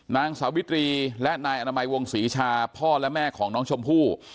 นางสาวิตรีและนายอนามัยวงศรีชาพ่อและแม่ของน้องชมพู่